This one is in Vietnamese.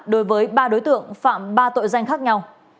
đối với ba đối tượng phạm ba tội danh khác nhau